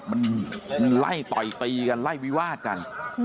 มันไล่ต่อยตีกันไล่วิวาดกัน